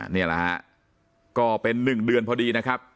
นี่แหละฮะก็เป็น๑เดือนพอดีนะครับ